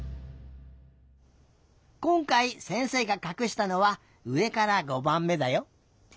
こんかいせんせいがかくしたのはうえから５ばんめだよ。